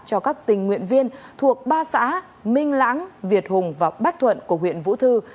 cho các tình nguyện viên thuộc ba xã minh lãng việt hùng và bách thuận của huyện vũ thư